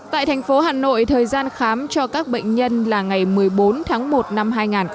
tại thành phố hà nội thời gian khám cho các bệnh nhân là ngày một mươi bốn tháng một năm hai nghìn hai mươi